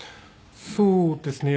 そうですね。